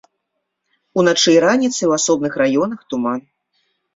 Уначы і раніцай у асобных раёнах туман.